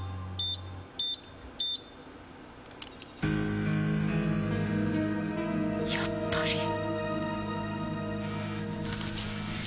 やっぱり。